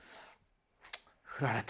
振られた。